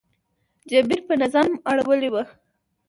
جبیر په نظم اړولې وه.